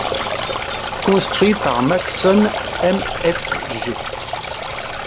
Construit par Maxon Mfg.